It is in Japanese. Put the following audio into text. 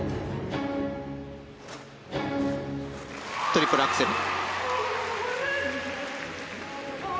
トリプルアクセル。